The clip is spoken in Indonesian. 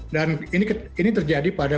dan ini terjadi pada